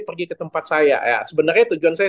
pergi ke tempat saya ya sebenarnya tujuan saya